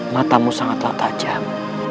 matamu sangatlah tajam